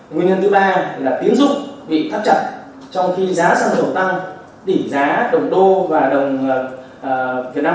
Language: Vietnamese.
nguyên nhân thứ ba là tiến dụng bị thấp chậm trong khi giá xăng dầu tăng tỉ giá đồng đô và đồng việt nam đồng tăng